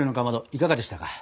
いかがでしたか？